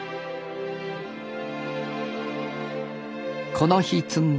この日摘んだ